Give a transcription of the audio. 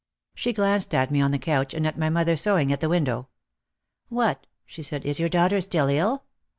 She glanced at me on the couch and at mother sewing at the window. "What!" she said, "is your daughter still ill?"